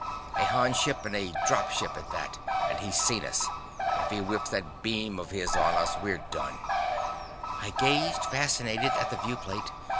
"A Han ship, and a 'drop ship' at that and he's seen us. If he whips that beam of his on us, we're done." I gazed, fascinated, at the viewplate.